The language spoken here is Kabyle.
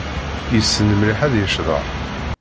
Yessen mliḥ ad yecḍeḥ.